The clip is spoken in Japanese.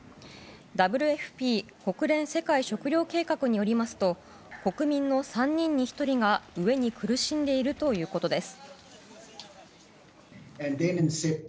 ＷＦＰ・国連世界食糧計画によりますと国民の３人に１人が、飢えに苦しんでいるということです。